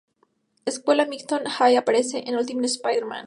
Escuela Midtown High aparece en "Ultimate Spider-Man".